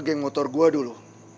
gang motor gua dulu